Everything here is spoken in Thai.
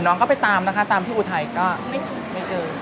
น้องก็ไปตามนะคะตามที่อุทัยก็ไม่เจอ